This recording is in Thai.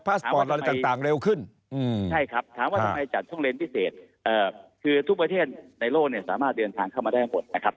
ถามสมัครว่าทำไมจัดช่องเลนด์พิเศษคือทุกประเทศในโลกสามารถเดินทางเข้ามาได้ทั้งหมด